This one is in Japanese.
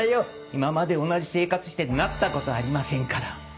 今まで同じ生活してなったことありませんから。